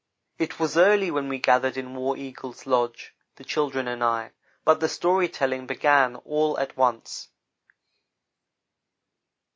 It was early when we gathered in War Eagle's lodge, the children and I, but the story telling began at once.